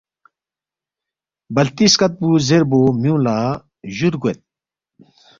بلتی سکتپو زیربو میونگلا جور گوید